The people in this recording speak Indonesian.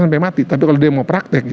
sampai mati tapi kalau dia mau praktek